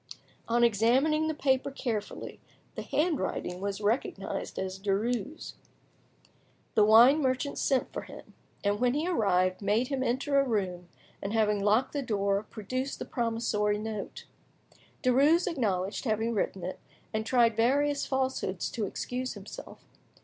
On examining the paper carefully, the handwriting was recognised as Derues'. The wine merchant sent for him, and when he arrived, made him enter a room, and having locked the door, produced the promissory note. Derues acknowledged having written it, and tried various falsehoods to excuse himself.